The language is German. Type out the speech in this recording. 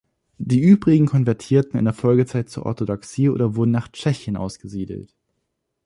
Die übrigen konvertierten in der Folgezeit zur Orthodoxie oder wurden nach Tschechien ausgesiedelt.